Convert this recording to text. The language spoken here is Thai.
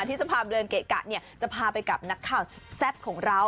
ที่จะพาเดินเกะกะเนี่ยจะพาไปกับนักข่าวแซ่บของเรา